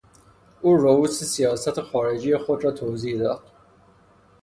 او رئوس سیاست خارجی خود را توضیح داد.